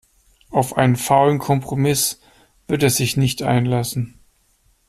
Auf einen faulen Kompromiss wird er sich nicht einlassen.